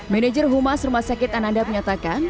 manager humas rumah sakit ananda menyatakan